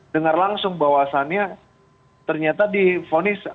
dengar langsung bawasannya ternyata di fonis